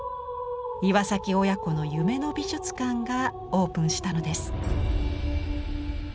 岩親子の夢の美術館がオープンしたのです。